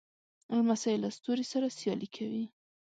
لمسی له ستوري سره سیالي کوي.